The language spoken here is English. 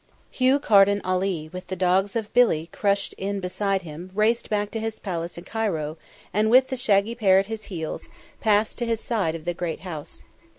Hugh Carden Ali, with the dogs of Billi crushed in beside him, raced back to his palace in Cairo and with the shaggy pair at his heels passed to his side of the great house.